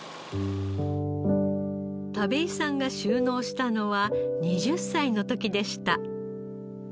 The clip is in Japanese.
田部井さんが就農したのは２０歳の時でした。